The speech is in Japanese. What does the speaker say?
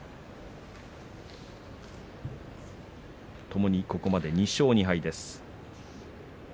ともに、ここまで２勝２敗です。